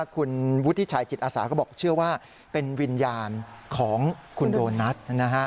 คุณวุฒิชัยจิตอาสาก็บอกเชื่อว่าเป็นวิญญาณของคุณโดนัท